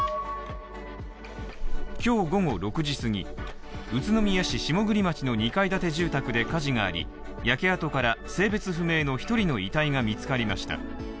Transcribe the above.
今日午後６時すぎ宇都宮市下栗町の集合住宅で火事があり、焼け跡から性別不明の一人の遺体が見つかりました。